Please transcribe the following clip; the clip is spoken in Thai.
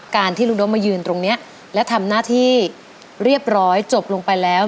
การที่ลูกโด๊บมายืนตรงนี้และทำหน้าที่เรียบร้อยจบลงไปแล้ว